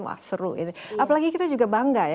wah seru ini apalagi kita juga bangga ya